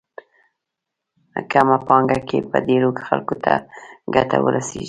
کمه پانګه کې به ډېرو خلکو ته ګټه ورسېږي.